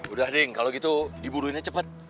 udah kalau gitu dibunuhinnya cepet